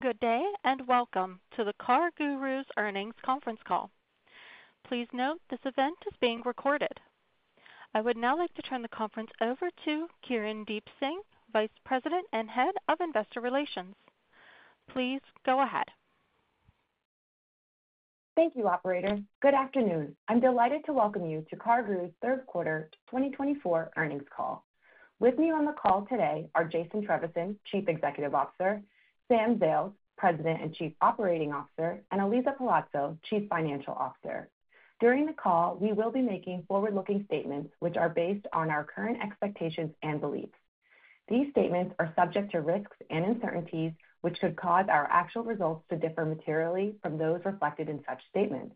`Good day and welcome to the CarGurus' earnings conference call. Please note this event is being recorded. I would now like to turn the conference over to Kirndeep Singh, Vice President and Head of Investor Relations. Please go ahead. Thank you, operator. Good afternoon. I'm delighted to welcome you to CarGurus' third quarter 2024 earnings call. With me on the call today are Jason Trevisan, Chief Executive Officer, Sam Zales, President and Chief Operating Officer, and Elisa Palazzo, Chief Financial Officer. During the call, we will be making forward-looking statements which are based on our current expectations and beliefs. These statements are subject to risks and uncertainties which could cause our actual results to differ materially from those reflected in such statements.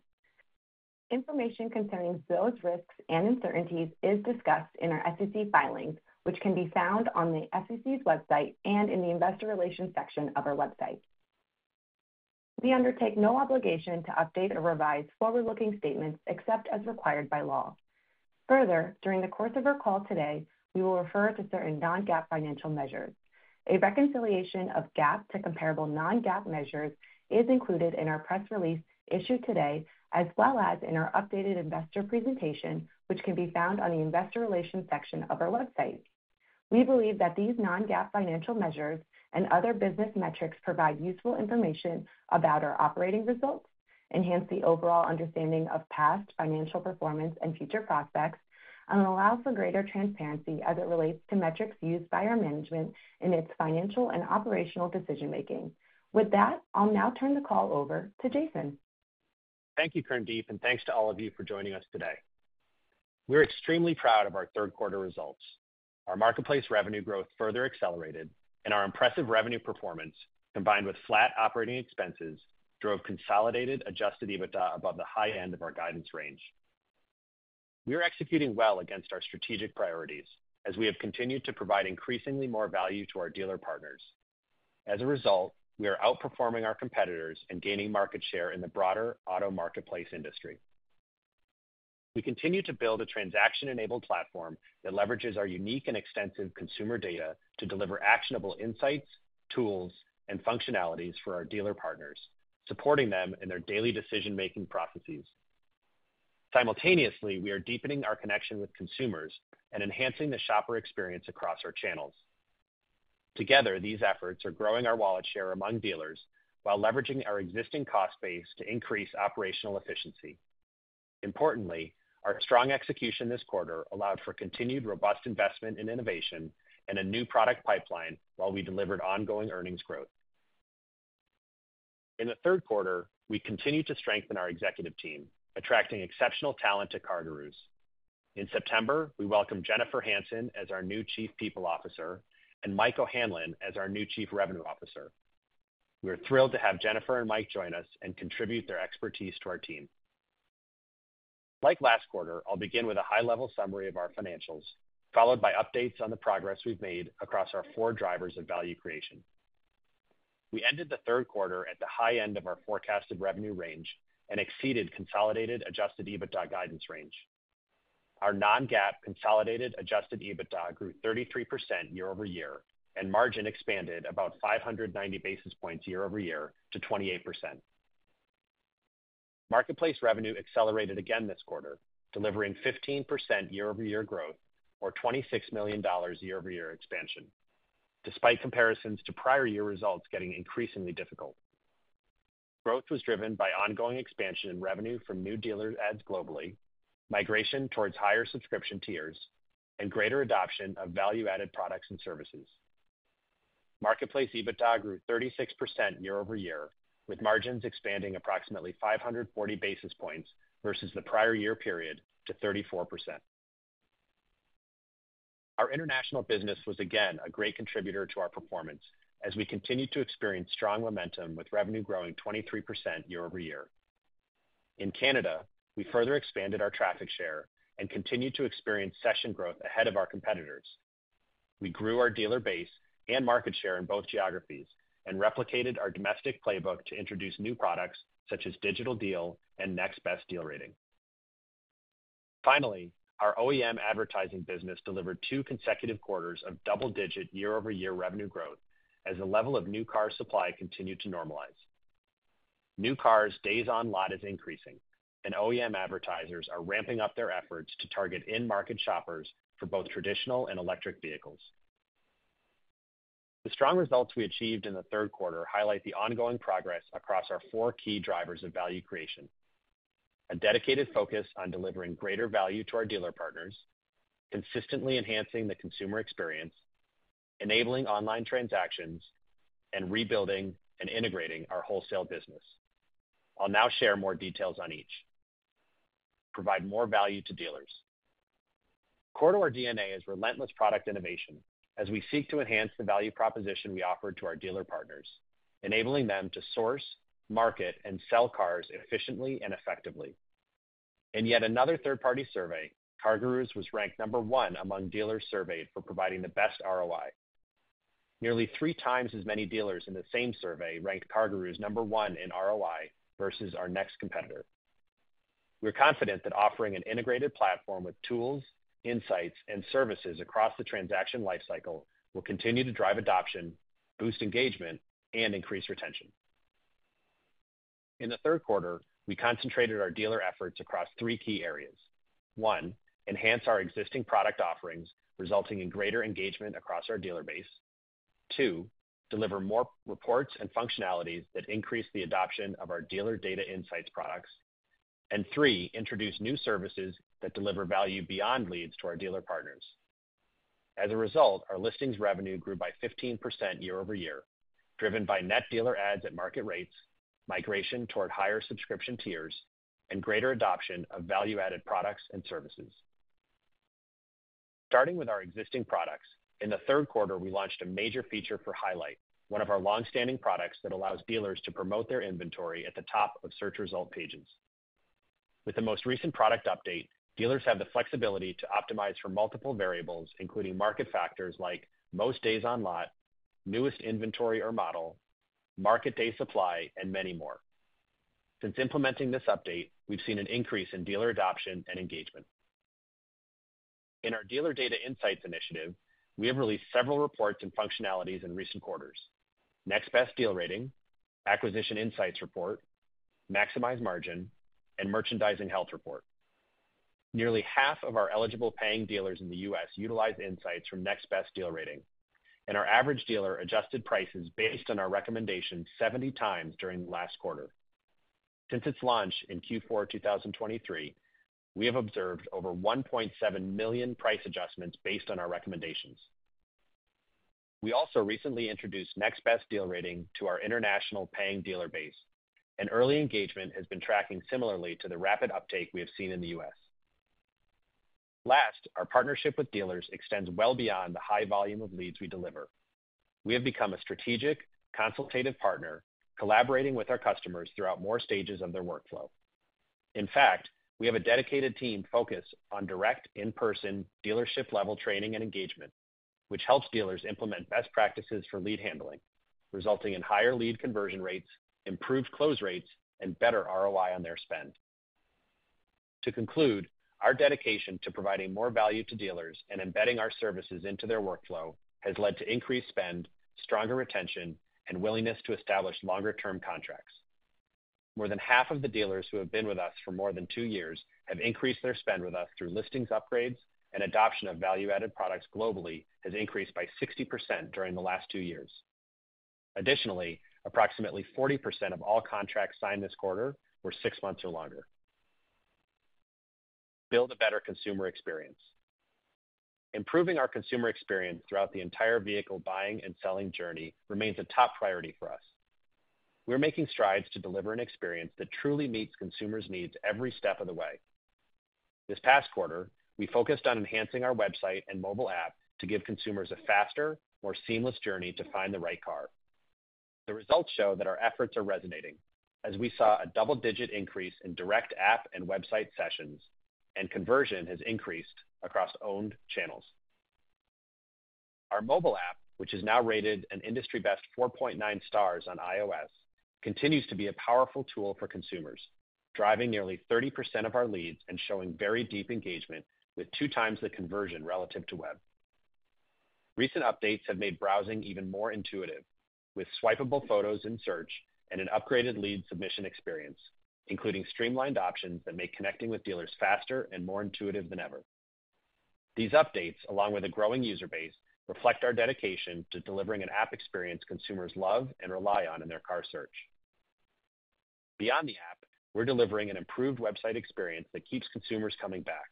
Information concerning those risks and uncertainties is discussed in our SEC filings, which can be found on the SEC's website and in the investor relations section of our website. We undertake no obligation to update or revise forward-looking statements except as required by law. Further, during the course of our call today, we will refer to certain Non-GAAP financial measures. A reconciliation of GAAP to comparable Non-GAAP measures is included in our press release issued today, as well as in our updated investor presentation, which can be found on the investor relations section of our website. We believe that these Non-GAAP financial measures and other business metrics provide useful information about our operating results, enhance the overall understanding of past financial performance and future prospects, and allow for greater transparency as it relates to metrics used by our management in its financial and operational decision-making. With that, I'll now turn the call over to Jason. Thank you, Kirndeep, and thanks to all of you for joining us today. We're extremely proud of our third quarter results. Our marketplace revenue growth further accelerated, and our impressive revenue performance, combined with flat operating expenses, drove consolidated adjusted EBITDA above the high end of our guidance range. We are executing well against our strategic priorities, as we have continued to provide increasingly more value to our dealer partners. As a result, we are outperforming our competitors and gaining market share in the broader auto marketplace industry. We continue to build a transaction-enabled platform that leverages our unique and extensive consumer data to deliver actionable insights, tools, and functionalities for our dealer partners, supporting them in their daily decision-making processes. Simultaneously, we are deepening our connection with consumers and enhancing the shopper experience across our channels. Together, these efforts are growing our wallet share among dealers while leveraging our existing cost base to increase operational efficiency. Importantly, our strong execution this quarter allowed for continued robust investment and innovation and a new product pipeline while we delivered ongoing earnings growth. In the third quarter, we continue to strengthen our executive team, attracting exceptional talent to CarGurus. In September, we welcomed Jennifer Hansen as our new Chief People Officer and Mike O'Hanlon as our new Chief Revenue Officer. We are thrilled to have Jennifer and Mike join us and contribute their expertise to our team. Like last quarter, I'll begin with a high-level summary of our financials, followed by updates on the progress we've made across our four drivers of value creation. We ended the third quarter at the high end of our forecasted revenue range and exceeded consolidated adjusted EBITDA guidance range. Our Non-GAAP consolidated adjusted EBITDA grew 33% year-over-year, and margin expanded about 590 basis points year-over-year to 28%. Marketplace revenue accelerated again this quarter, delivering 15% year-over-year growth or $26 million year-over-year expansion, despite comparisons to prior year results getting increasingly difficult. Growth was driven by ongoing expansion in revenue from new dealer adds globally, migration towards higher subscription tiers, and greater adoption of value-added products and services. Marketplace EBITDA grew 36% year-over-year, with margins expanding approximately 540 basis points versus the prior year period to 34%. Our international business was again a great contributor to our performance, as we continued to experience strong momentum with revenue growing 23% year-over-year. In Canada, we further expanded our traffic share and continued to experience session growth ahead of our competitors. We grew our dealer base and market share in both geographies and replicated our domestic playbook to introduce new products such as Digital Deal and Next Best Deal Rating. Finally, our OEM advertising business delivered two consecutive quarters of double-digit year-over-year revenue growth as the level of new car supply continued to normalize. New cars' days on lot is increasing, and OEM advertisers are ramping up their efforts to target in-market shoppers for both traditional and electric vehicles. The strong results we achieved in the third quarter highlight the ongoing progress across our four key drivers of value creation: a dedicated focus on delivering greater value to our dealer partners, consistently enhancing the consumer experience, enabling online transactions, and rebuilding and integrating our wholesale business. I'll now share more details on each. Provide more value to dealers. The core to our DNA is relentless product innovation, as we seek to enhance the value proposition we offer to our dealer partners, enabling them to source, market, and sell cars efficiently and effectively. In yet another third-party survey, CarGurus was ranked number one among dealers surveyed for providing the best ROI. Nearly three times as many dealers in the same survey ranked CarGurus number one in ROI versus our next competitor. We're confident that offering an integrated platform with tools, insights, and services across the transaction lifecycle will continue to drive adoption, boost engagement, and increase retention. In the third quarter, we concentrated our dealer efforts across three key areas. One, enhance our existing product offerings, resulting in greater engagement across our dealer base. Two, deliver more reports and functionalities that increase the adoption of our dealer data insights products. And three, introduce new services that deliver value beyond leads to our dealer partners. As a result, our listings revenue grew by 15% year-over-year, driven by net dealer adds at market rates, migration toward higher subscription tiers, and greater adoption of value-added products and services. Starting with our existing products, in the third quarter, we launched a major feature for Highlight, one of our longstanding products that allows dealers to promote their inventory at the top of search result pages. With the most recent product update, dealers have the flexibility to optimize for multiple variables, including market factors like most days on lot, newest inventory or model, market day supply, and many more. Since implementing this update, we've seen an increase in dealer adoption and engagement. In our dealer data insights initiative, we have released several reports and functionalities in recent quarters: Next Best Deal Rating, Acquisition Insights Report, Maximize Margin, and Merchandising Health Report. Nearly half of our eligible paying dealers in the U.S. utilize insights from Next Best Deal Rating, and our average dealer adjusted prices based on our recommendations 70x during the last quarter. Since its launch in Q4 2023, we have observed over 1.7 million price adjustments based on our recommendations. We also recently introduced Next Best Deal Rating to our international paying dealer base, and early engagement has been tracking similarly to the rapid uptake we have seen in the U.S. Last, our partnership with dealers extends well beyond the high volume of leads we deliver. We have become a strategic, consultative partner, collaborating with our customers throughout more stages of their workflow. In fact, we have a dedicated team focused on direct, in-person, dealership-level training and engagement, which helps dealers implement best practices for lead handling, resulting in higher lead conversion rates, improved close rates, and better ROI on their spend. To conclude, our dedication to providing more value to dealers and embedding our services into their workflow has led to increased spend, stronger retention, and willingness to establish longer-term contracts. More than half of the dealers who have been with us for more than two years have increased their spend with us through listings upgrades, and adoption of value-added products globally has increased by 60% during the last two years. Additionally, approximately 40% of all contracts signed this quarter were six months or longer. Build a better consumer experience. Improving our consumer experience throughout the entire vehicle buying and selling journey remains a top priority for us. We're making strides to deliver an experience that truly meets consumers' needs every step of the way. This past quarter, we focused on enhancing our website and mobile app to give consumers a faster, more seamless journey to find the right car. The results show that our efforts are resonating, as we saw a double-digit increase in direct app and website sessions, and conversion has increased across owned channels. Our mobile app, which is now rated an industry-best 4.9 stars on iOS, continues to be a powerful tool for consumers, driving nearly 30% of our leads and showing very deep engagement with two times the conversion relative to web. Recent updates have made browsing even more intuitive, with swipeable photos in search and an upgraded lead submission experience, including streamlined options that make connecting with dealers faster and more intuitive than ever. These updates, along with a growing user base, reflect our dedication to delivering an app experience consumers love and rely on in their car search. Beyond the app, we're delivering an improved website experience that keeps consumers coming back.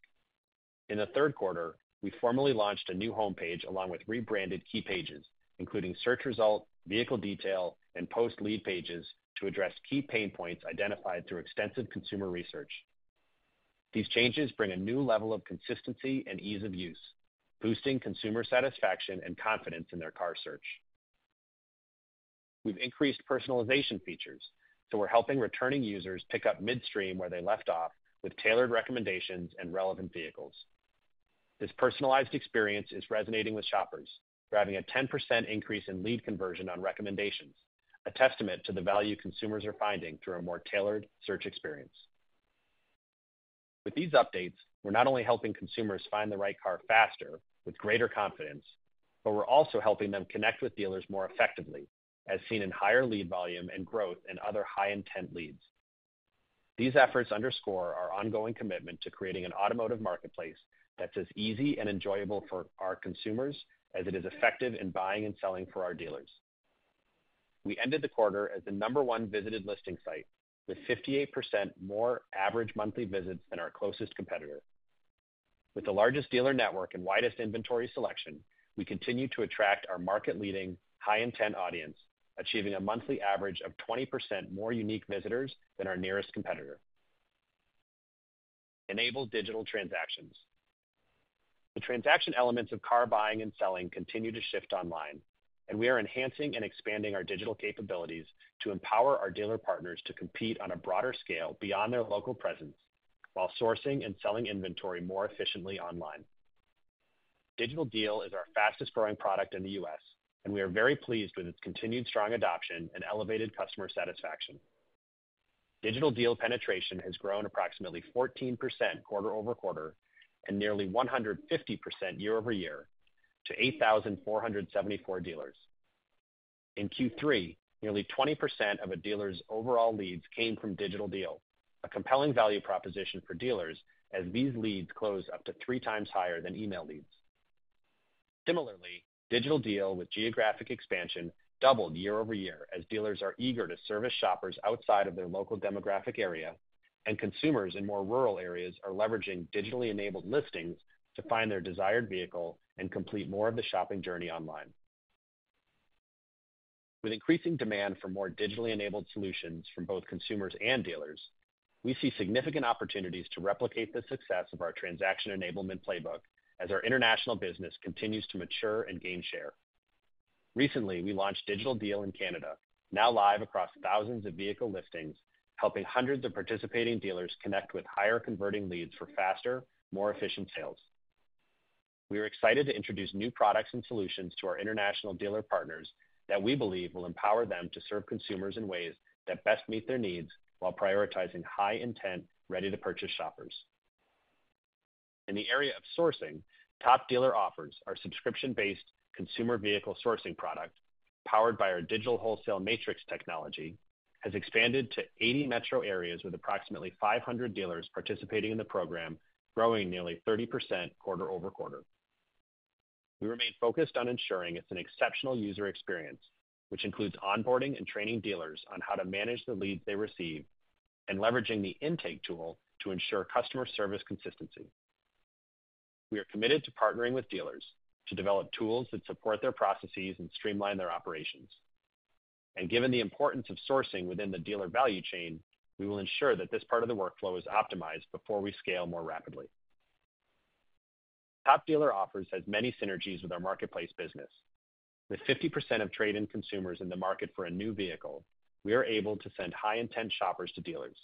In the third quarter, we formally launched a new homepage along with rebranded key pages, including search result, vehicle detail, and post lead pages to address key pain points identified through extensive consumer research. These changes bring a new level of consistency and ease of use, boosting consumer satisfaction and confidence in their car search. We've increased personalization features, so we're helping returning users pick up midstream where they left off with tailored recommendations and relevant vehicles. This personalized experience is resonating with shoppers, driving a 10% increase in lead conversion on recommendations, a testament to the value consumers are finding through a more tailored search experience. With these updates, we're not only helping consumers find the right car faster with greater confidence, but we're also helping them connect with dealers more effectively, as seen in higher lead volume and growth in other high-intent leads. These efforts underscore our ongoing commitment to creating an automotive marketplace that's as easy and enjoyable for our consumers as it is effective in buying and selling for our dealers. We ended the quarter as the number one visited listing site, with 58% more average monthly visits than our closest competitor. With the largest dealer network and widest inventory selection, we continue to attract our market-leading high-intent audience, achieving a monthly average of 20% more unique visitors than our nearest competitor. Enabled digital transactions. The transaction elements of car buying and selling continue to shift online, and we are enhancing and expanding our digital capabilities to empower our dealer partners to compete on a broader scale beyond their local presence while sourcing and selling inventory more efficiently online. Digital Deal is our fastest-growing product in the U.S., and we are very pleased with its continued strong adoption and elevated customer satisfaction. Digital Deal penetration has grown approximately 14% quarter-over-quarter and nearly 150% year-over-year to 8,474 dealers. In Q3, nearly 20% of a dealer's overall leads came from Digital Deal, a compelling value proposition for dealers as these leads close up to three times higher than email leads. Similarly, Digital Deal with geographic expansion doubled year-over-year as dealers are eager to service shoppers outside of their local demographic area, and consumers in more rural areas are leveraging digitally enabled listings to find their desired vehicle and complete more of the shopping journey online. With increasing demand for more digitally enabled solutions from both consumers and dealers, we see significant opportunities to replicate the success of our transaction enablement playbook as our international business continues to mature and gain share. Recently, we launched Digital Deal in Canada, now live across thousands of vehicle listings, helping hundreds of participating dealers connect with higher converting leads for faster, more efficient sales. We are excited to introduce new products and solutions to our international dealer partners that we believe will empower them to serve consumers in ways that best meet their needs while prioritizing high-intent, ready-to-purchase shoppers. In the area of sourcing, Top Dealer Offers, our subscription-based consumer vehicle sourcing product, powered by Digital Wholesale Matrix technology, has expanded to 80 metro areas with approximately 500 dealers participating in the program, growing nearly 30% quarter-over-quarter. We remain focused on ensuring it's an exceptional user experience, which includes onboarding and training dealers on how to manage the leads they receive and leveraging the intake tool to ensure customer service consistency. We are committed to partnering with dealers to develop tools that support their processes and streamline their operations, and given the importance of sourcing within the dealer value chain, we will ensure that this part of the workflow is optimized before we scale more rapidly. Top Dealer Offers has many synergies with our marketplace business. With 50% of trade-in consumers in the market for a new vehicle, we are able to send high-intent shoppers to dealers.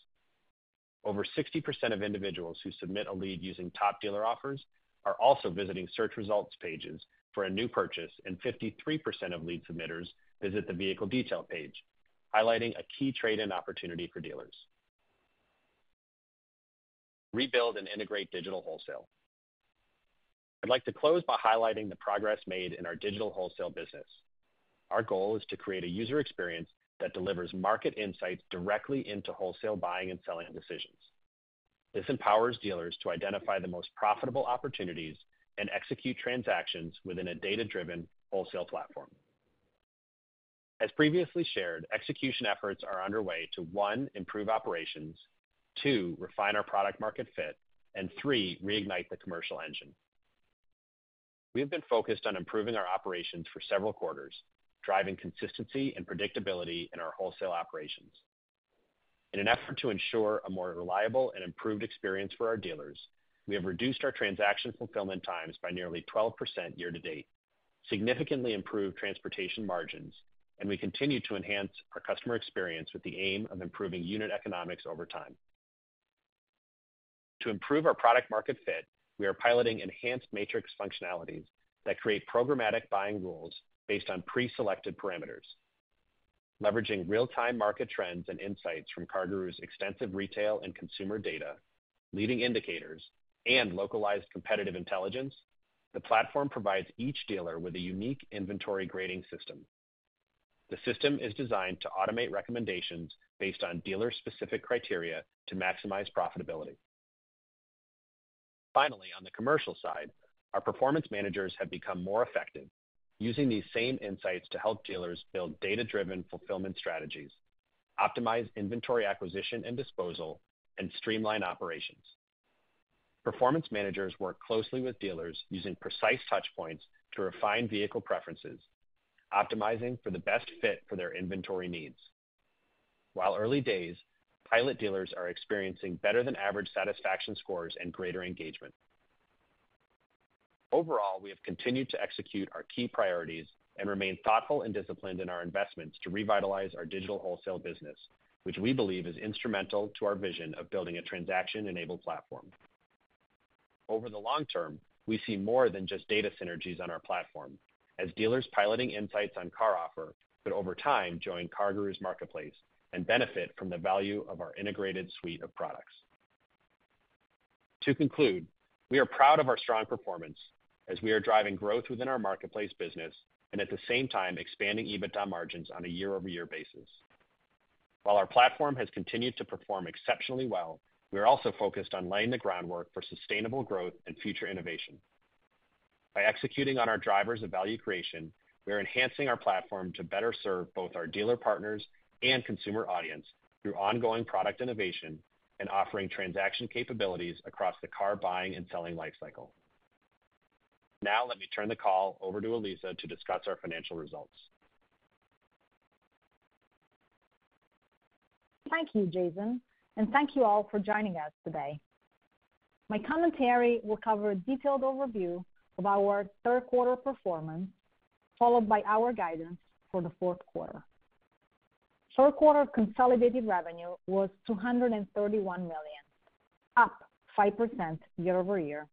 Over 60% of individuals who submit a lead using Top Dealer Offers are also visiting search results pages for a new purchase, and 53% of lead submitters visit the vehicle detail page, highlighting a key trade-in opportunity for dealers. Rebuild and integrate Digital Wholesale. I'd like to close by highlighting the progress made in our Digital Wholesale business. Our goal is to create a user experience that delivers market insights directly into wholesale buying and selling decisions. This empowers dealers to identify the most profitable opportunities and execute transactions within a data-driven wholesale platform. As previously shared, execution efforts are underway to, one, improve operations, two, refine our product-market fit, and three, reignite the commercial engine. We have been focused on improving our operations for several quarters, driving consistency and predictability in our wholesale operations. In an effort to ensure a more reliable and improved experience for our dealers, we have reduced our transaction fulfillment times by nearly 12% year-to-date, significantly improved transportation margins, and we continue to enhance our customer experience with the aim of improving unit economics over time. To improve our product-market fit, we are piloting enhanced Matrix functionalities that create programmatic buying rules based on pre-selected parameters. Leveraging real-time market trends and insights from CarGurus extensive retail and consumer data, leading indicators, and localized competitive intelligence, the platform provides each dealer with a unique inventory grading system. The system is designed to automate recommendations based on dealer-specific criteria to maximize profitability. Finally, on the commercial side, our performance managers have become more effective, using these same insights to help dealers build data-driven fulfillment strategies, optimize inventory acquisition and disposal, and streamline operations. Performance managers work closely with dealers using precise touchpoints to refine vehicle preferences, optimizing for the best fit for their inventory needs. While early days, pilot dealers are experiencing better-than-average satisfaction scores and greater engagement. Overall, we have continued to execute our key priorities and remain thoughtful and disciplined in our investments to revitalize our Digital Wholesale business, which we believe is instrumental to our vision of building a transaction-enabled platform. Over the long term, we see more than just data synergies on our platform, as dealers piloting insights on CarOffer could over time join CarGurus Marketplace and benefit from the value of our integrated suite of products. To conclude, we are proud of our strong performance as we are driving growth within our marketplace business and at the same time expanding EBITDA margins on a year-over-year basis. While our platform has continued to perform exceptionally well, we are also focused on laying the groundwork for sustainable growth and future innovation. By executing on our drivers of value creation, we are enhancing our platform to better serve both our dealer partners and consumer audience through ongoing product innovation and offering transaction capabilities across the car buying and selling lifecycle. Now, let me turn the call over to Elisa to discuss our financial results. Thank you, Jason, and thank you all for joining us today. My commentary will cover a detailed overview of our third-quarter performance, followed by our guidance for the fourth quarter. Third quarter consolidated revenue was $231 million, up 5% year-over-year,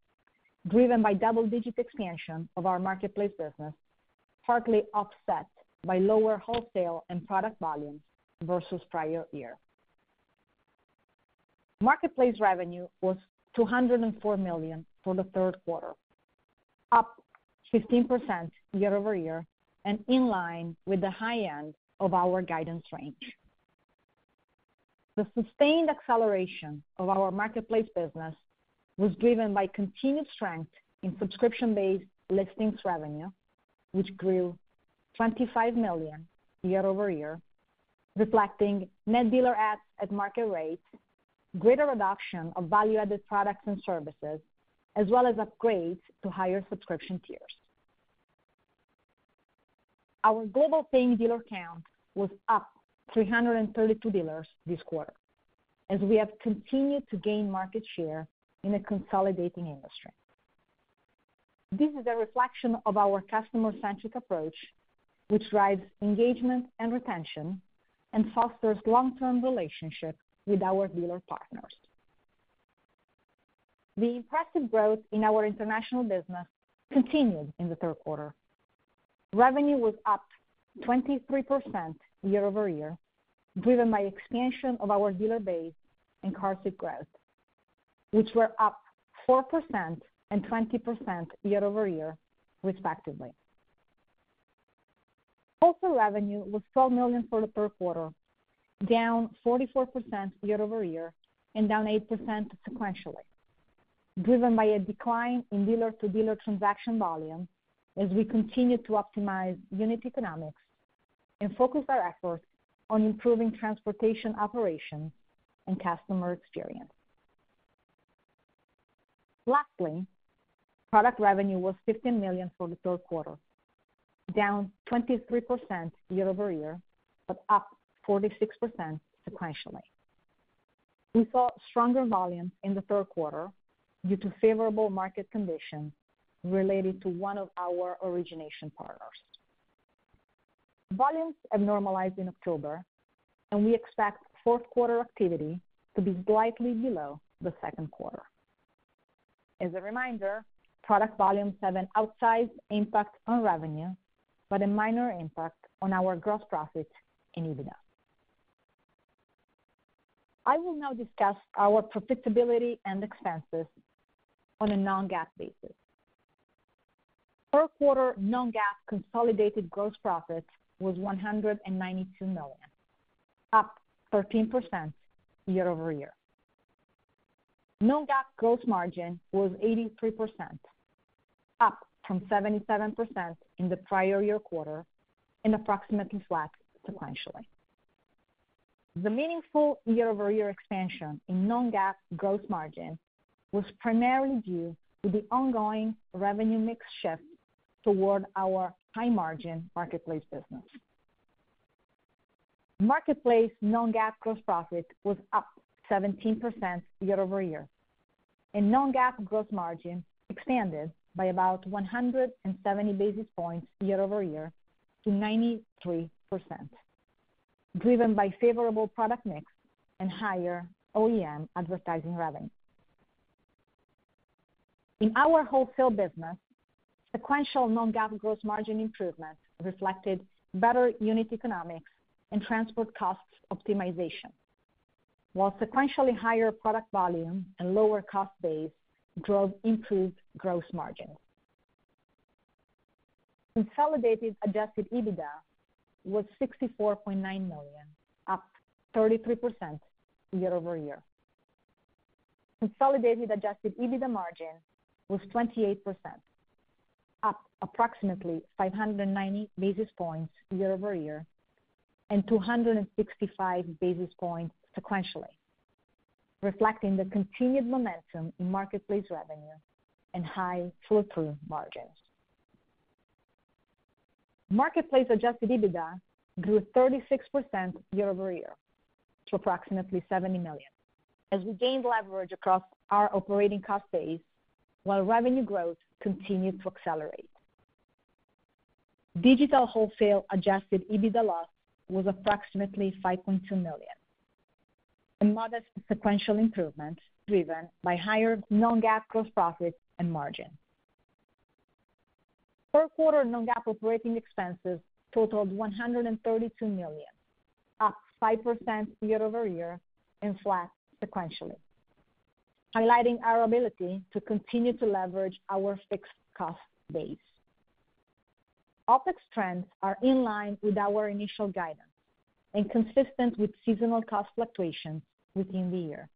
driven by double-digit expansion of our marketplace business, partly offset by lower wholesale and product volumes versus prior year. Marketplace revenue was $204 million for the third quarter, up 15% year-over-year, and in line with the high end of our guidance range. The sustained acceleration of our marketplace business was driven by continued strength in subscription-based listings revenue, which grew $25 million year-over-year, reflecting net dealer adds at market rate, greater reduction of value-added products and services, as well as upgrades to higher subscription tiers. Our global paying dealer count was up 332 dealers this quarter, as we have continued to gain market share in a consolidating industry. This is a reflection of our customer-centric approach, which drives engagement and retention and fosters long-term relationships with our dealer partners. The impressive growth in our international business continued in the third quarter. Revenue was up 23% year-over-year, driven by expansion of our dealer base and QARSD growth, which were up 4% and 20% year-over-year, respectively. Wholesale revenue was $12 million for the third quarter, down 44% year-over-year and down 8% sequentially, driven by a decline in dealer-to-dealer transaction volume as we continued to optimize unit economics and focus our efforts on improving transportation operations and customer experience. Lastly, Product revenue was $15 million for the third quarter, down 23% year-over-year, but up 46% sequentially. We saw stronger volumes in the third quarter due to favorable market conditions related to one of our origination partners. Volumes have normalized in October, and we expect fourth-quarter activity to be slightly below the second quarter. As a reminder, product volumes have an outsized impact on revenue, but a minor impact on our gross profits and EBITDA. I will now discuss our profitability and expenses on a Non-GAAP basis. Fourth quarter Non-GAAP consolidated gross profits was $192 million, up 13% year-over-year. Non-GAAP gross margin was 83%, up from 77% in the prior year quarter, and approximately flat sequentially. The meaningful year-over-year expansion in Non-GAAP gross margin was primarily due to the ongoing revenue mix shift toward our high-margin marketplace business. Marketplace Non-GAAP gross profit was up 17% year-over-year, and Non-GAAP gross margin expanded by about 170 basis points year-over-year to 93%, driven by favorable product mix and higher OEM advertising revenue. In our wholesale business, sequential Non-GAAP gross margin improvements reflected better unit economics and transport costs optimization, while sequentially higher product volume and lower cost base drove improved gross margins. Consolidated adjusted EBITDA was $64.9 million, up 33% year-over-year. Consolidated adjusted EBITDA margin was 28%, up approximately 590 basis points year-over-year and 265 basis points sequentially, reflecting the continued momentum in marketplace revenue and high fulfilled margins. Marketplace adjusted EBITDA grew 36% year-over-year to approximately $70 million as we gained leverage across our operating cost base while revenue growth continued to accelerate. Digital Wholesale adjusted EBITDA loss was approximately $5.2 million, a modest sequential improvement driven by higher Non-GAAP gross profits and margins. Fourth quarter Non-GAAP operating expenses totaled $132 million, up 5% year-over-year and flat sequentially, highlighting our ability to continue to leverage our fixed cost base. OpEx trends are in line with our initial guidance and consistent with seasonal cost fluctuations within the year.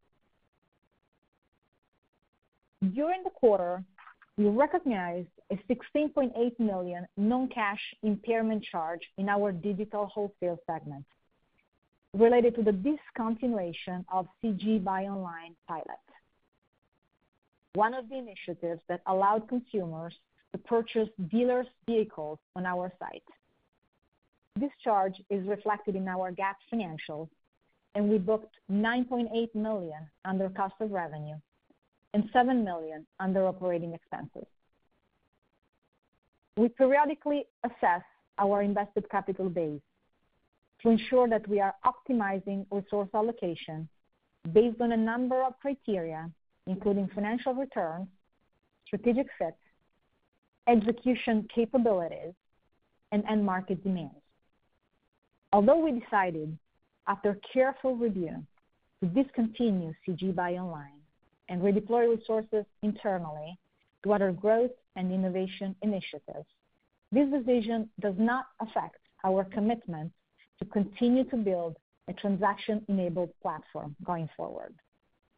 During the quarter, we recognized a $16.8 million non-cash impairment charge in our Digital Wholesale segment related to the discontinuation of CG Buy Online pilot, one of the initiatives that allowed consumers to purchase dealer's vehicles on our site. This charge is reflected in our GAAP financials, and we booked $9.8 million under cost of revenue and $7 million under operating expenses. We periodically assess our invested capital base to ensure that we are optimizing resource allocation based on a number of criteria, including financial returns, strategic fit, execution capabilities, and end market demands. Although we decided, after careful review, to discontinue CG Buy Online and redeploy resources internally to other growth and innovation initiatives, this decision does not affect our commitment to continue to build a transaction-enabled platform going forward,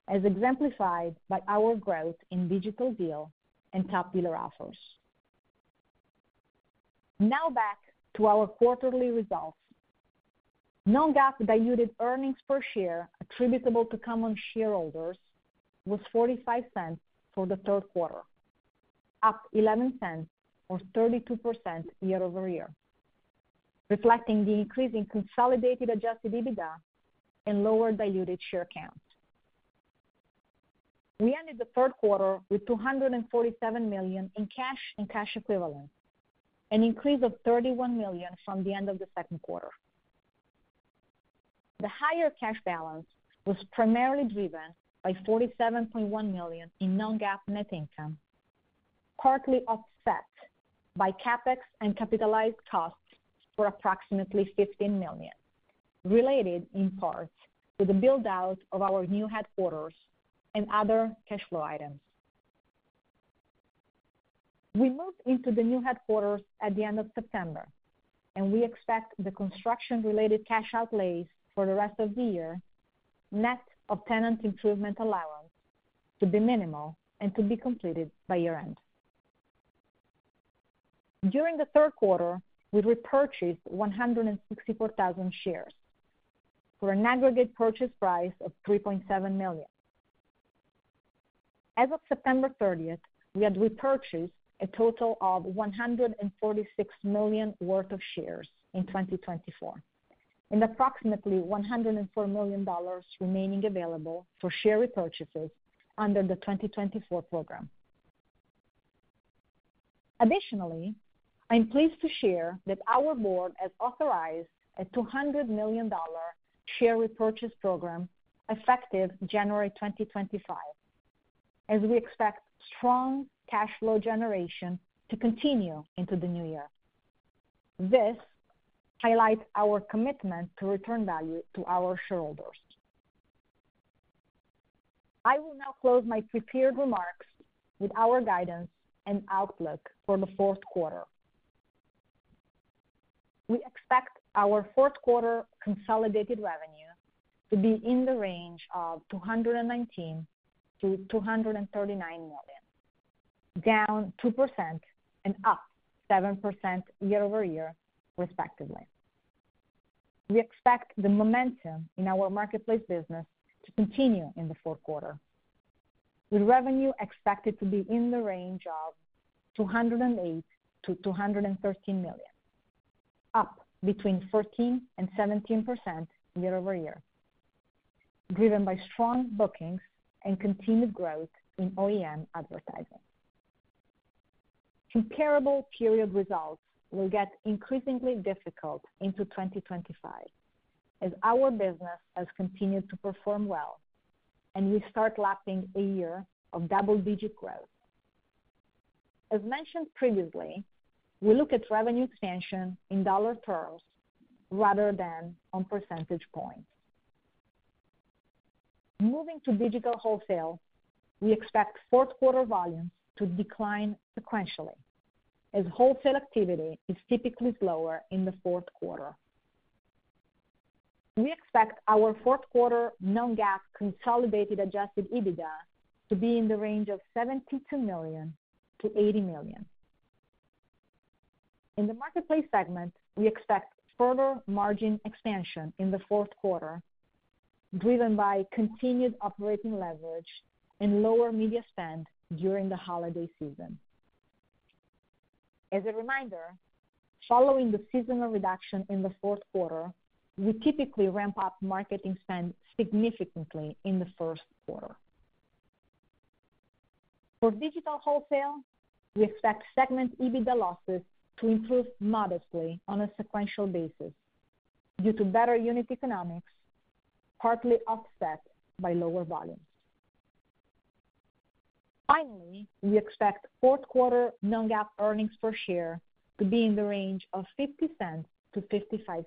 as exemplified by our growth in Digital Deal and top dealer offers. Now back to our quarterly results. Non-GAAP diluted earnings per share attributable to common shareholders was $0.45 for the third quarter, up $0.11 or 32% year-over-year, reflecting the increase in consolidated adjusted EBITDA and lower diluted share count. We ended the third quarter with $247 million in cash and cash equivalents, an increase of $31 million from the end of the second quarter. The higher cash balance was primarily driven by $47.1 million in Non-GAAP net income, partly offset by CapEx and capitalized costs for approximately $15 million, related in part to the build-out of our new headquarters and other cash flow items. We moved into the new headquarters at the end of September, and we expect the construction-related cash outlays for the rest of the year, net of tenant improvement allowance, to be minimal and to be completed by year-end. During the third quarter, we repurchased 164,000 shares for an aggregate purchase price of $3.7 million. As of September 30th, we had repurchased a total of $146 million worth of shares in 2024, and approximately $104 million remaining available for share repurchases under the 2024 program. Additionally, I'm pleased to share that our board has authorized a $200 million share repurchase program effective January 2025, as we expect strong cash flow generation to continue into the new year. This highlights our commitment to return value to our shareholders. I will now close my prepared remarks with our guidance and outlook for the fourth quarter. We expect our fourth quarter consolidated revenue to be in the range of $219 million-$239 million, down 2% and up 7% year-over-year, respectively. We expect the momentum in our marketplace business to continue in the fourth quarter, with revenue expected to be in the range of $208 million-$213 million, up between 14% and 17% year-over-year, driven by strong bookings and continued growth in OEM advertising. Comparable period results will get increasingly difficult into 2025 as our business has continued to perform well and we start lapping a year of double-digit growth. As mentioned previously, we look at revenue expansion in dollar terms rather than on percentage points. Moving to Digital Wholesale, we expect fourth quarter volumes to decline sequentially as wholesale activity is typically slower in the fourth quarter. We expect our fourth quarter Non-GAAP consolidated adjusted EBITDA to be in the range of $72 million-$80 million. In the marketplace segment, we expect further margin expansion in the fourth quarter, driven by continued operating leverage and lower media spend during the holiday season. As a reminder, following the seasonal reduction in the fourth quarter, we typically ramp up marketing spend significantly in the first quarter. For Digital Wholesale, we expect segment EBITDA losses to improve modestly on a sequential basis due to better unit economics, partly offset by lower volumes. Finally, we expect fourth quarter Non-GAAP earnings per share to be in the range of $0.50-$0.55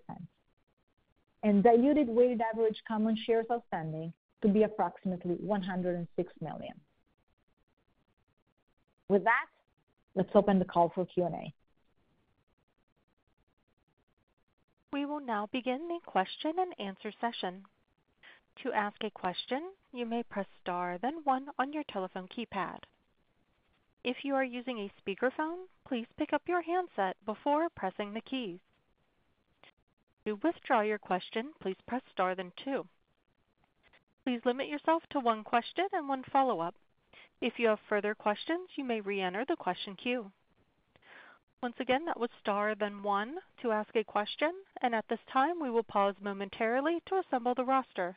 and diluted weighted average common shares outstanding to be approximately 106 million. With that, let's open the call for Q&A. We will now begin the question and answer session. To ask a question, you may press star then one on your telephone keypad. If you are using a speakerphone, please pick up your handset before pressing the keys. To withdraw your question, please press star then two. Please limit yourself to one question and one follow-up. If you have further questions, you may re-enter the question queue. Once again, that was star, then one to ask a question, and at this time, we will pause momentarily to assemble the roster,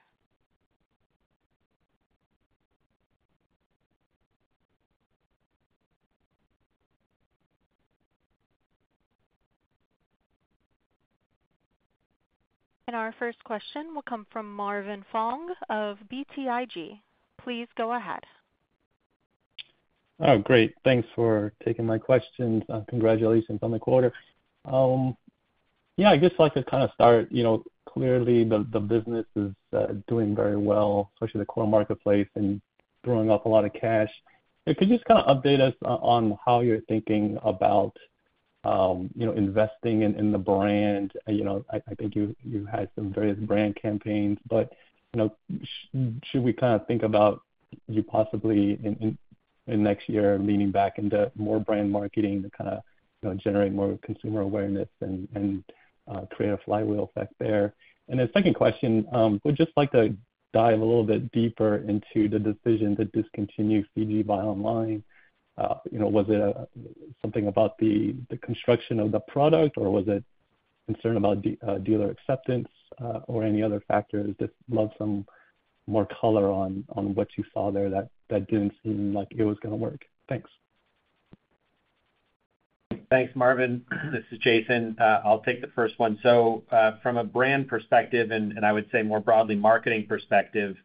and our first question will come from Marvin Fong of BTIG. Please go ahead. Oh, great. Thanks for taking my questions. Congratulations on the quarter. Yeah, I just like to kind of start. Clearly, the business is doing very well, especially the core marketplace, and throwing up a lot of cash. Could you just kind of update us on how you're thinking about investing in the brand? I think you had some various brand campaigns, but should we kind of think about you possibly in next year leaning back into more brand marketing to kind of generate more consumer awareness and create a flywheel effect there? And then, second question, we'd just like to dive a little bit deeper into the decision to discontinue CG Buy Online. Was it something about the construction of the product, or was it concern about dealer acceptance or any other factors? Just love some more color on what you saw there that didn't seem like it was going to work. Thanks. Thanks, Marvin. This is Jason. I'll take the first one. So from a brand perspective, and I would say more broadly marketing perspective,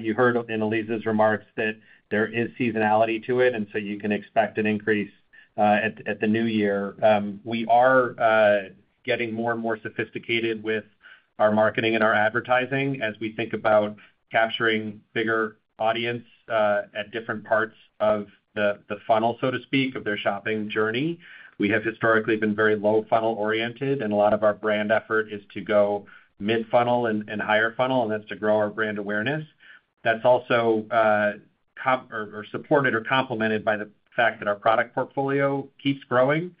you heard in Elisa's remarks that there is seasonality to it, and so you can expect an increase at the new year. We are getting more and more sophisticated with our marketing and our advertising as we think about capturing bigger audience at different parts of the funnel, so to speak, of their shopping journey. We have historically been very low-funnel oriented, and a lot of our brand effort is to go mid-funnel and higher funnel, and that's to grow our brand awareness. That's also supported or complemented by the fact that our product portfolio keeps growing.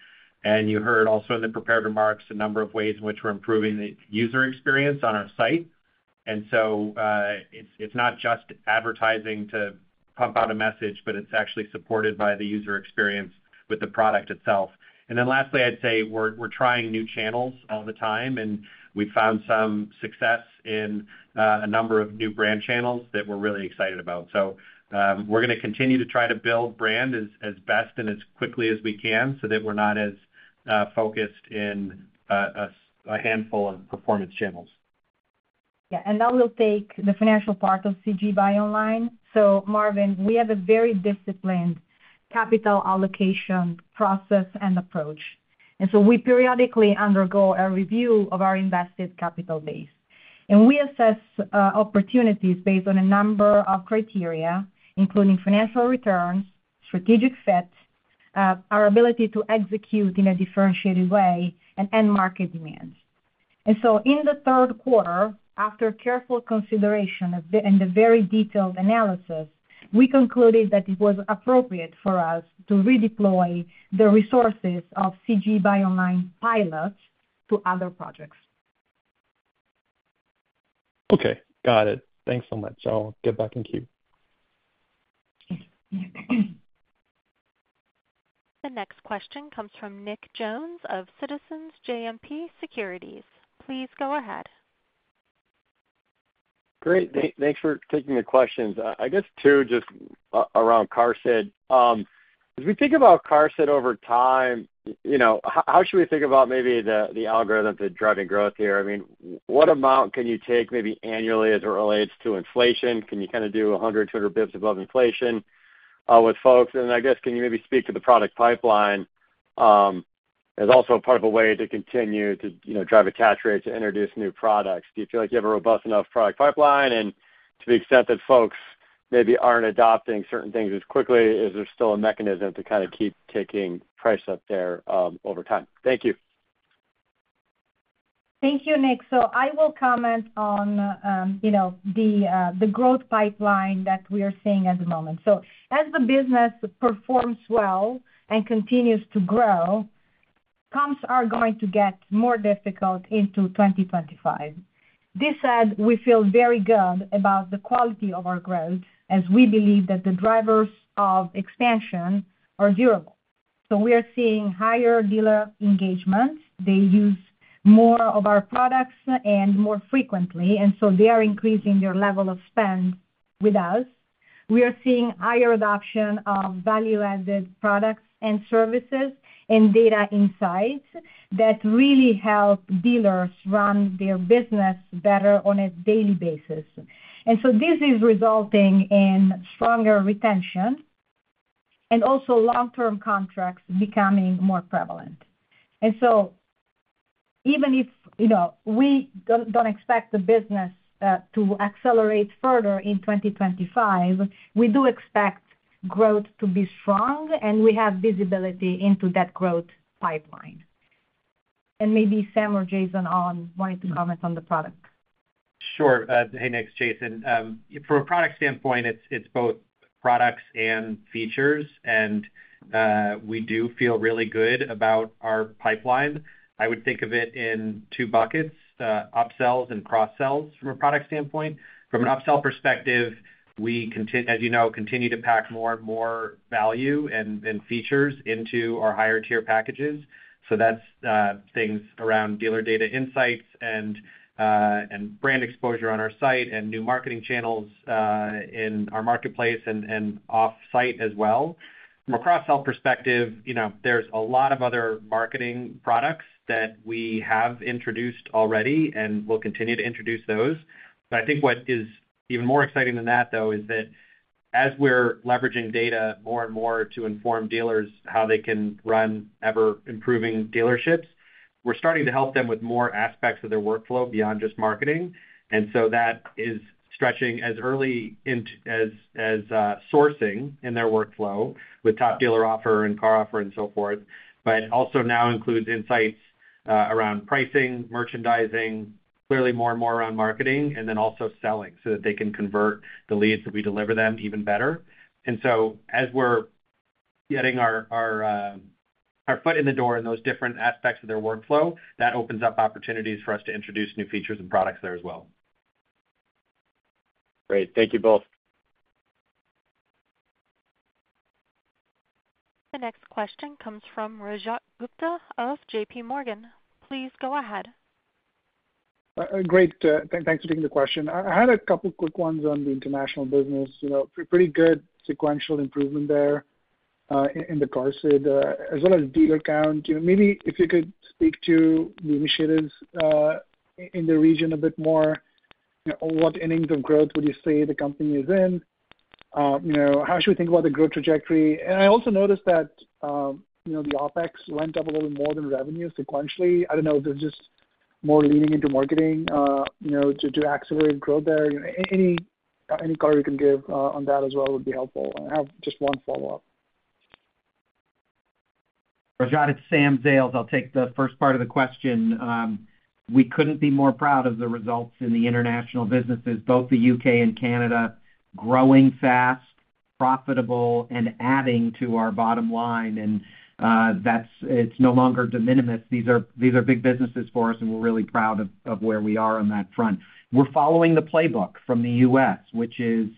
And you heard also in the prepared remarks a number of ways in which we're improving the user experience on our site. And so it's not just advertising to pump out a message, but it's actually supported by the user experience with the product itself. And then lastly, I'd say we're trying new channels all the time, and we've found some success in a number of new brand channels that we're really excited about. So we're going to continue to try to build brand as best and as quickly as we can so that we're not as focused in a handful of performance channels. Yeah. And that will take the financial part of CG Buy Online. So Marvin, we have a very disciplined capital allocation process and approach. And so we periodically undergo a review of our invested capital base. And we assess opportunities based on a number of criteria, including financial returns, strategic fit, our ability to execute in a differentiated way, and end market demands. And so in the third quarter, after careful consideration and a very detailed analysis, we concluded that it was appropriate for us to redeploy the resources of CG Buy Online pilot to other projects. Okay. Got it. Thanks so much. I'll get back in queue. The next question comes from Nick Jones of Citizens JMP Securities. Please go ahead. Great. Thanks for taking the questions. I guess two just around QARSD. As we think about QARSD over time, how should we think about maybe the algorithm for driving growth here? I mean, what amount can you take maybe annually as it relates to inflation? Can you kind of do 100, 200 basis points above inflation with folks? And I guess can you maybe speak to the product pipeline as also part of a way to continue to drive attach rates to introduce new products? Do you feel like you have a robust enough product pipeline? And to the extent that folks maybe aren't adopting certain things as quickly, is there still a mechanism to kind of keep ticking price up there over time? Thank you. Thank you, Nick. So I will comment on the growth pipeline that we are seeing at the moment. So as the business performs well and continues to grow, comps are going to get more difficult into 2025. This said, we feel very good about the quality of our growth as we believe that the drivers of expansion are durable. So we are seeing higher dealer engagement. They use more of our products and more frequently, and so they are increasing their level of spend with us. We are seeing higher adoption of value-added products and services and data insights that really help dealers run their business better on a daily basis. And so this is resulting in stronger retention and also long-term contracts becoming more prevalent. And so even if we don't expect the business to accelerate further in 2025, we do expect growth to be strong, and we have visibility into that growth pipeline. And maybe Sam or Jason wanted to comment on the product. Sure. Hey, Nick, Jason. From a product standpoint, it's both products and features, and we do feel really good about our pipeline. I would think of it in two buckets, upsells and cross-sells from a product standpoint. From an upsell perspective, we, as you know, continue to pack more and more value and features into our higher-tier packages, so that's things around dealer data insights and brand exposure on our site and new marketing channels in our marketplace and off-site as well. From a cross-sell perspective, there's a lot of other marketing products that we have introduced already and will continue to introduce those, but I think what is even more exciting than that, though, is that as we're leveraging data more and more to inform dealers how they can run ever-improving dealerships, we're starting to help them with more aspects of their workflow beyond just marketing. And so that is stretching as early as sourcing in their workflow with Top Dealer Offers and CarOffer and so forth, but also now includes insights around pricing, merchandising, clearly more and more around marketing, and then also selling so that they can convert the leads that we deliver them even better. And so as we're getting our foot in the door in those different aspects of their workflow, that opens up opportunities for us to introduce new features and products there as well. Great. Thank you both. The next question comes from Rajat Gupta of JPMorgan. Please go ahead. Great. Thanks for taking the question. I had a couple of quick ones on the international business. Pretty good sequential improvement there in the QARSD as well as dealer count. Maybe if you could speak to the initiatives in the region a bit more, what innings of growth would you say the company is in? How should we think about the growth trajectory? And I also noticed that the OpEx went up a little more than revenue sequentially. I don't know if it's just more leaning into marketing to accelerate growth there. Any color you can give on that as well would be helpful. I have just one follow-up. Rajat, it's Sam Zales. I'll take the first part of the question. We couldn't be more proud of the results in the international businesses, both the U.K. and Canada, growing fast, profitable, and adding to our bottom line. And it's no longer de minimis. These are big businesses for us, and we're really proud of where we are on that front. We're following the playbook from the U.S., which is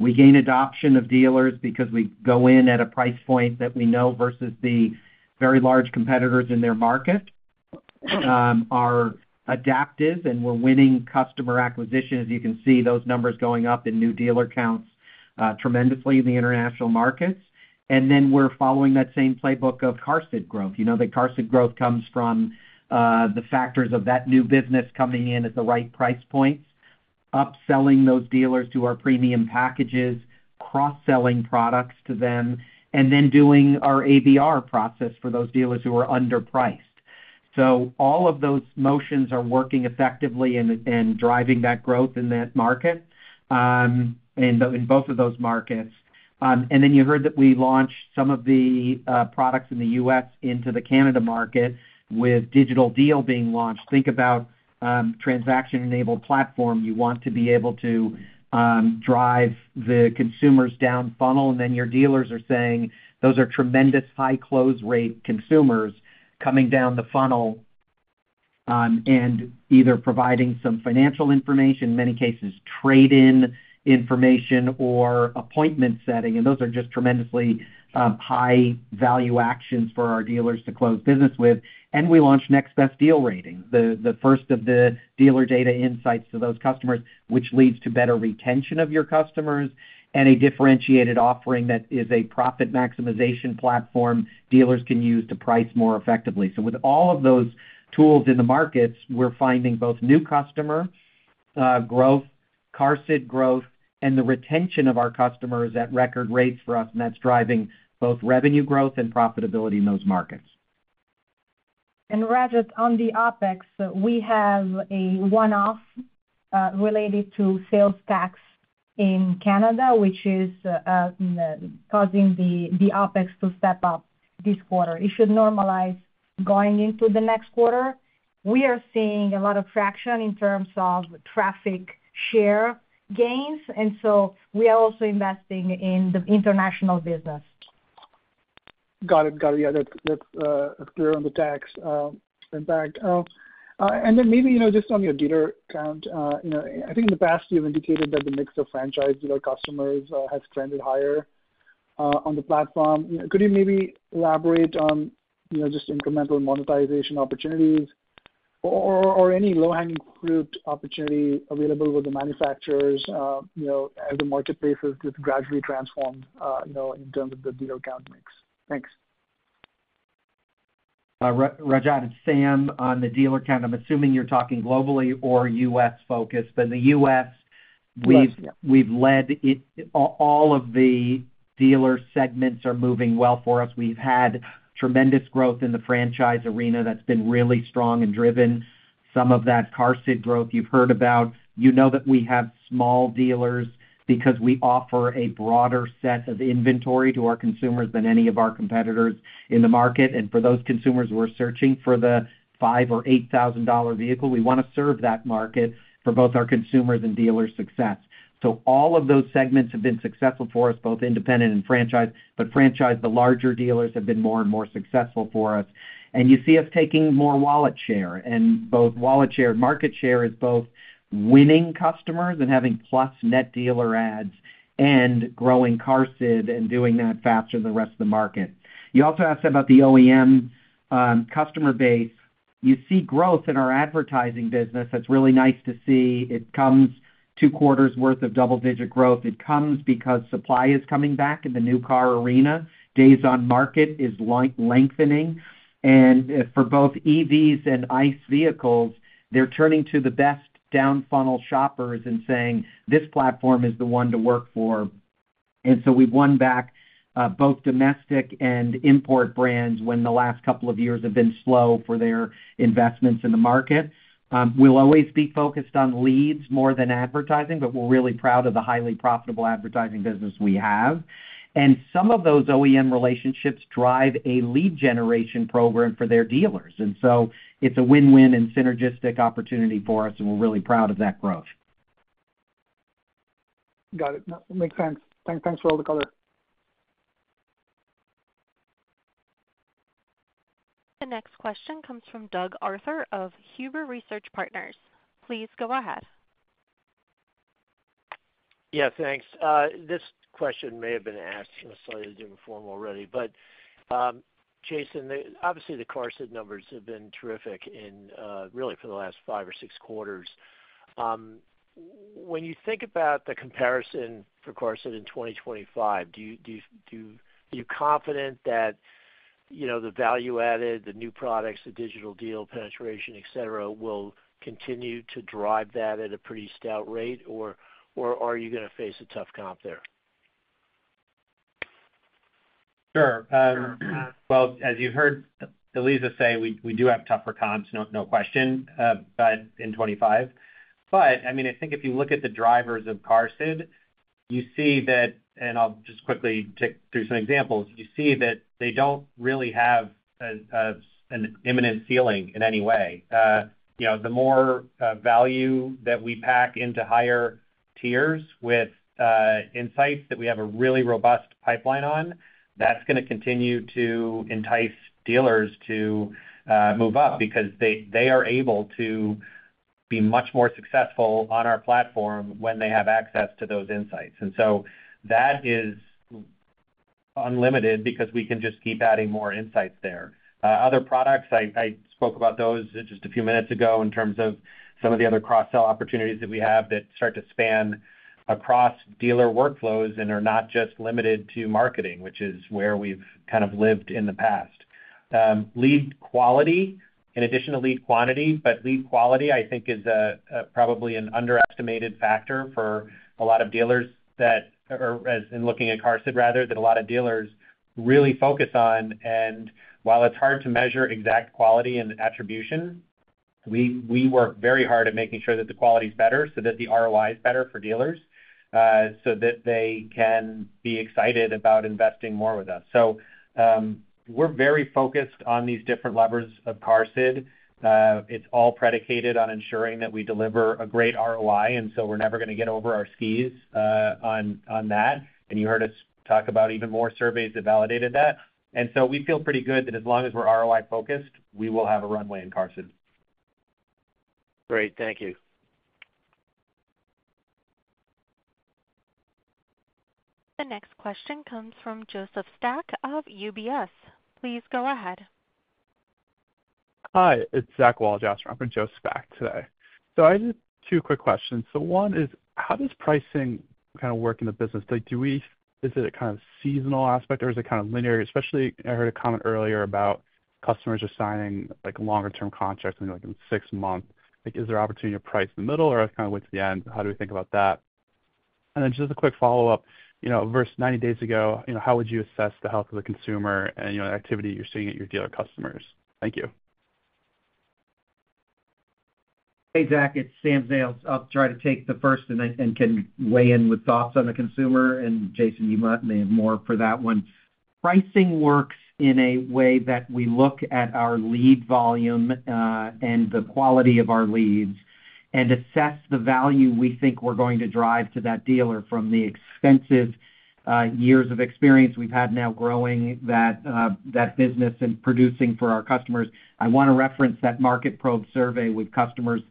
we gain adoption of dealers because we go in at a price point that we know versus the very large competitors in their market. Our adaptive and we're winning customer acquisition, as you can see those numbers going up in new dealer counts tremendously in the international markets, and then we're following that same playbook of QARSD growth. You know that QARSD growth comes from the factors of that new business coming in at the right price points, upselling those dealers to our premium packages, cross-selling products to them, and then doing our ABR process for those dealers who are underpriced, so all of those motions are working effectively and driving that growth in that market in both of those markets. Then you heard that we launched some of the products in the U.S. into the Canada market with Digital Deal being launched. Think about transaction-enabled platform. You want to be able to drive the consumers down funnel, and then your dealers are saying, "Those are tremendous high close rate consumers coming down the funnel and either providing some financial information, in many cases, trade-in information or appointment setting." Those are just tremendously high-value actions for our dealers to close business with. We launched Next Best Deal Rating, the first of the Dealer Data Insights to those customers, which leads to better retention of your customers and a differentiated offering that is a profit maximization platform dealers can use to price more effectively. So with all of those tools in the markets, we're finding both new customer growth, QARSD growth, and the retention of our customers at record rates for us, and that's driving both revenue growth and profitability in those markets. And Rajat, on the OpEx, we have a one-off related to sales tax in Canada, which is causing the OpEx to step up this quarter. It should normalize going into the next quarter. We are seeing a lot of traction in terms of traffic share gains, and so we are also investing in the international business. Got it. Got it. Yeah, that's clear on the tax impact. And then maybe just on your dealer count, I think in the past you've indicated that the mix of franchise dealer customers has trended higher on the platform. Could you maybe elaborate on just incremental monetization opportunities or any low-hanging fruit opportunity available with the manufacturers as the marketplaces just gradually transform in terms of the dealer count mix? Thanks. Rajat, it's Sam on the dealer count. I'm assuming you're talking globally or U.S.-focused, but the U.S., we've led it. All of the dealer segments are moving well for us. We've had tremendous growth in the franchise arena that's been really strong and driven. Some of that QARSD growth you've heard about. You know that we have small dealers because we offer a broader set of inventory to our consumers than any of our competitors in the market. And for those consumers who are searching for the $5,000 or $8,000 vehicle, we want to serve that market for both our consumers and dealer success. So all of those segments have been successful for us, both independent and franchise, but franchise, the larger dealers have been more and more successful for us. And you see us taking more wallet share. And both wallet share and market share is both winning customers and having plus net dealer adds and growing QARSD and doing that faster than the rest of the market. You also asked about the OEM customer base. You see growth in our advertising business. That's really nice to see. It comes two quarters' worth of double-digit growth. It comes because supply is coming back in the new car arena. Days on market is lengthening. And for both EVs and ICE vehicles, they're turning to the best down-funnel shoppers and saying, "This platform is the one to work for." And so we've won back both domestic and import brands when the last couple of years have been slow for their investments in the market. We'll always be focused on leads more than advertising, but we're really proud of the highly profitable advertising business we have. And some of those OEM relationships drive a lead generation program for their dealers. And so it's a win-win and synergistic opportunity for us, and we're really proud of that growth. Got it. Makes sense. Thanks for all the color. The next question comes from Doug Arthur of Huber Research Partners. Please go ahead. Yes, thanks. This question may have been asked in a slightly different form already, but Jason, obviously the QARSD numbers have been terrific in really for the last five or six quarters. When you think about the comparison for QARSD in 2025, do you feel confident that the value added, the new products, the Digital Deal penetration, etc., will continue to drive that at a pretty stout rate, or are you going to face a tough comp there? Sure. Well, as you heard Elisa say, we do have tougher comps, no question, but in 2025. But I mean, I think if you look at the drivers of QARSD, you see that, and I'll just quickly take through some examples, you see that they don't really have an imminent ceiling in any way. The more value that we pack into higher tiers with insights that we have a really robust pipeline on, that's going to continue to entice dealers to move up because they are able to be much more successful on our platform when they have access to those insights. And so that is unlimited because we can just keep adding more insights there. Other products, I spoke about those just a few minutes ago in terms of some of the other cross-sell opportunities that we have that start to span across dealer workflows and are not just limited to marketing, which is where we've kind of lived in the past. Lead quality, in addition to lead quantity, but lead quality, I think, is probably an underestimated factor for a lot of dealers that, or in looking at QARSD rather, that a lot of dealers really focus on. And while it's hard to measure exact quality and attribution, we work very hard at making sure that the quality is better so that the ROI is better for dealers so that they can be excited about investing more with us. So we're very focused on these different levers of QARSD. It's all predicated on ensuring that we deliver a great ROI, and so we're never going to get over our skis on that. And you heard us talk about even more surveys that validated that. And so we feel pretty good that as long as we're ROI focused, we will have a runway in QARSD. Great. Thank you. The next question comes from Joseph Spak of UBS. Please go ahead. Hi, it's Zach Wallace on for Joe Spak today. So I have two quick questions. So one is, how does pricing kind of work in the business? Is it a kind of seasonal aspect, or is it kind of linear? Especially I heard a comment earlier about customers assigning longer-term contracts in six months. Is there an opportunity to price in the middle, or kind of wait to the end? How do we think about that? And then just a quick follow-up. Versus 90 days ago, how would you assess the health of the consumer and the activity you're seeing at your dealer customers? Thank you. Hey, Zach, it's Sam Zales. I'll try to take the first and can weigh in with thoughts on the consumer. And Jason, you may have more for that one. Pricing works in a way that we look at our lead volume and the quality of our leads and assess the value we think we're going to drive to that dealer from the extensive years of experience we've had now growing that business and producing for our customers. I want to reference that Market Probe survey with customers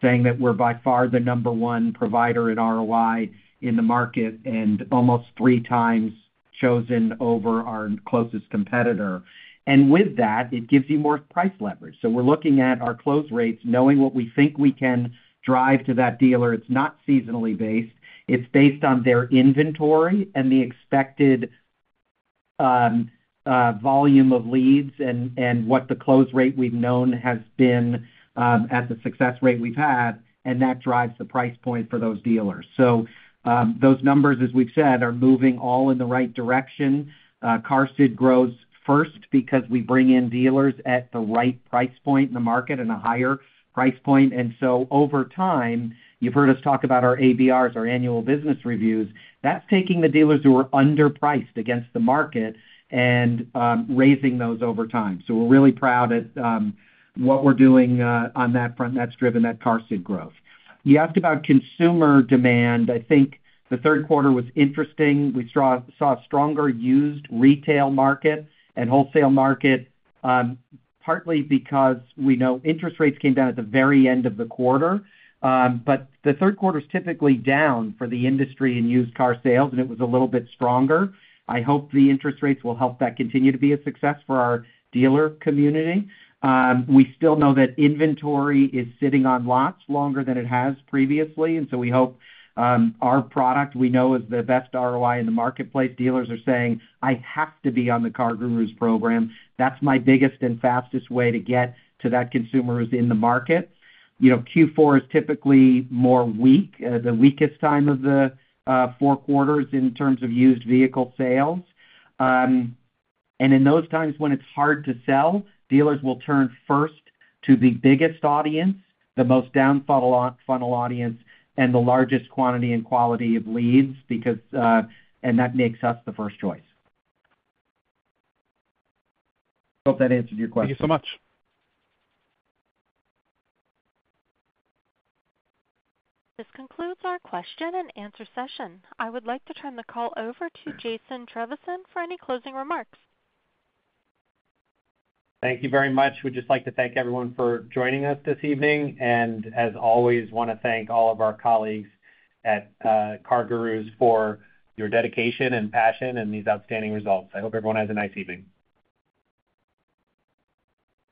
saying that we're by far the number one provider in ROI in the market and almost three times chosen over our closest competitor. And with that, it gives you more price leverage. So we're looking at our close rates, knowing what we think we can drive to that dealer. It's not seasonally based. It's based on their inventory and the expected volume of leads and what the close rate we've known has been at the success rate we've had, and that drives the price point for those dealers. So those numbers, as we've said, are moving all in the right direction. QARSD grows first because we bring in dealers at the right price point in the market and a higher price point. And so over time, you've heard us talk about our ABRs, our annual business reviews. That's taking the dealers who are underpriced against the market and raising those over time. So we're really proud at what we're doing on that front that's driven that QARSD growth. You asked about consumer demand. I think the third quarter was interesting. We saw a stronger used retail market and wholesale market, partly because we know interest rates came down at the very end of the quarter. But the third quarter is typically down for the industry and used car sales, and it was a little bit stronger. I hope the interest rates will help that continue to be a success for our dealer community. We still know that inventory is sitting on lots longer than it has previously. And so we hope our product, we know is the best ROI in the marketplace. Dealers are saying, "I have to be on the CarGurus program. That's my biggest and fastest way to get to that consumer who's in the market." Q4 is typically more weak, the weakest time of the four quarters in terms of used vehicle sales. And in those times when it's hard to sell, dealers will turn first to the biggest audience, the most down-funnel audience, and the largest quantity and quality of leads, and that makes us the first choice. Hope that answered your question. Thank you so much. This concludes our question and answer session. I would like to turn the call over to Jason Trevisan for any closing remarks. Thank you very much. We'd just like to thank everyone for joining us this evening, and as always, we want to thank all of our colleagues at CarGurus for your dedication and passion and these outstanding results. I hope everyone has a nice evening.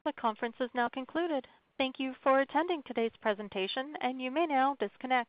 The conference is now concluded. Thank you for attending today's presentation, and you may now disconnect.